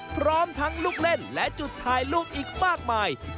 พร้อมทั้งลูกเล่นและจุดถ่ายรูปอีกมากมาย